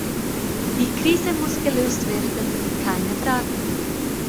Die Krise muss gelöst werden, keine Frage.